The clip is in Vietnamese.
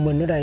u minh ở đây